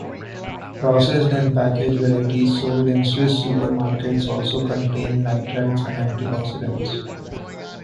Processed and packaged varieties sold in Swiss supermarkets also contain nitrites and antioxidants.